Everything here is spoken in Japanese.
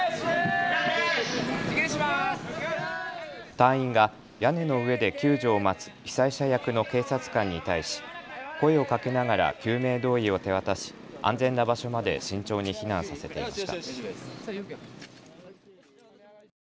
隊員が屋根の上で救助を待つ被災者役の警察官に対し声をかけながら救命胴衣を手渡し安全な場所まで慎重に避難させていました。